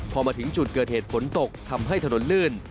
พอมาถึงจุดเกิดเหตุฝนตกทำให้ถนนลื่น